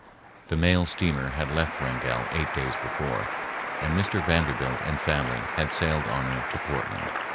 The mail steamer had left Wrangell eight days before, and Mr. Vanderbilt and family had sailed on her to Portland.